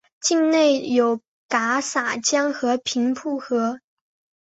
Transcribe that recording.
境内有戛洒江和平甸河。